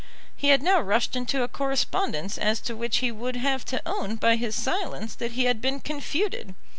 He had now rushed into a correspondence as to which he would have to own by his silence that he had been confuted.